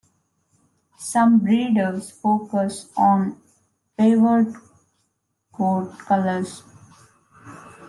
Some breeders focus on favored coat colors.